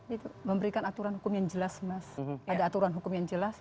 itu memberikan aturan hukum yang jelas mas